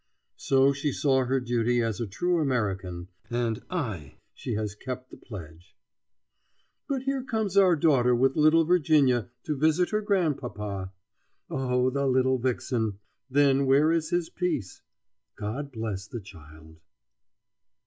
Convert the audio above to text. So she saw her duty as a true American, and aye! she has kept the pledge. But here comes our daughter with little Virginia to visit her grandpapa. Oh, the little vixen! Then where is his peace? God bless the child!